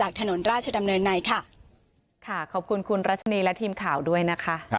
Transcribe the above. ขอบคุณคุณรัชนีและทีมข่าวด้วยนะคะ